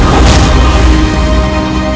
rai kita kejar lagi mereka